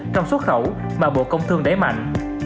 trong xuất khẩu mà bộ công thương đẩy mạnh